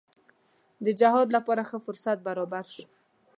د جهاد لپاره ښه فرصت برابر شو.